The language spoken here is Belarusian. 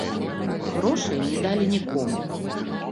Грошай не далі нікому.